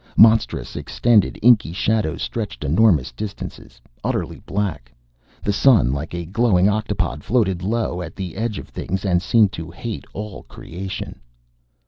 Monstrous, extended inky shadows stretched enormous distances, utterly black. The sun, like a glowing octopod, floated low at the edge of things and seemed to hate all creation.